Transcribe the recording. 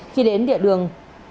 khi đến địa đường